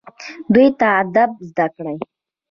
دوی ته ادب زده کړئ